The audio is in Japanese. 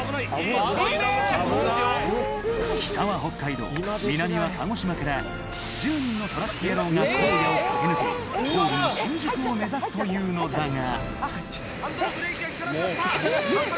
北は北海道、南は鹿児島から１０人のトラック野郎が荒野を駆け抜け、ゴールの新宿を目指すというのだが。